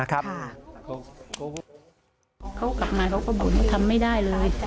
เขากลับมาเขาก็บอกว่าทำไม่ได้เลย